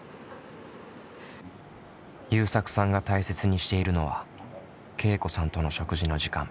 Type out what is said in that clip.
ゆうさくさんが大切にしているのはけいこさんとの食事の時間。